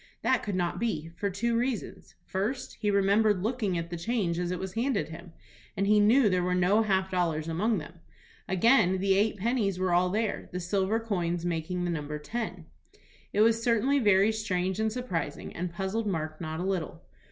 That could not be, for two reasons: First, he remembered looking at the change as it was handed him, and he knew that there were no half dollars among them. Again, the eight pennies were all there, the silver coins making the number ten. It was certainly very strange and surprising, and puzzled Mark not a little.